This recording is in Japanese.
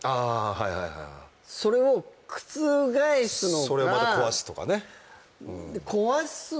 はいはいはいそれを覆すのがそれをまた壊すとかね